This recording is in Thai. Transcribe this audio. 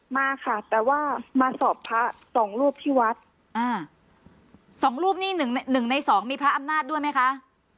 มาค่ะแต่ว่ามาสอบพระสองรูปที่วัดอ่าสองรูปนี่หนึ่งหนึ่งในสองมีพระอำนาจด้วยไหมคะ